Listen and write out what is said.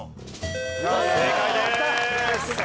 正解です。